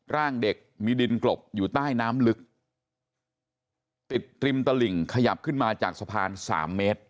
ร่างเด็กมีดินกลบอยู่ใต้น้ำลึกติดริมตลิ่งขยับขึ้นมาจากสะพานสามเมตร